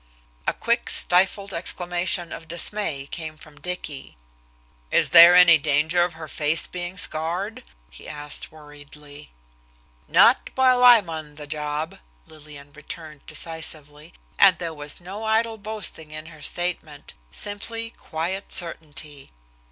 A quick, stifled exclamation of dismay came from Dicky. "Is there any danger of her face being scarred?" he asked worriedly. "Not while I'm on the job," Lillian returned decisively, and there was no idle boasting in her statement, simply quiet certainty.